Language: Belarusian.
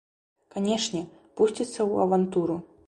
Канечне, пусціцца ў авантуру.